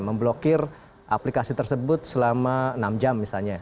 memblokir aplikasi tersebut selama enam jam misalnya